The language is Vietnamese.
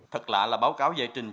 thật lạ là báo cáo giải trình